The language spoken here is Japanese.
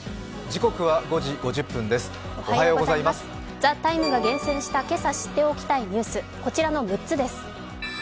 「ＴＨＥＴＩＭＥ，」が厳選した今朝、知っておきたいニュースこちらの６つです。